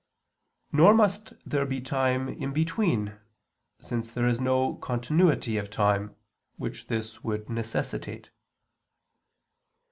Nor must there be time in between, since there is no continuity of time, which this would necessitate.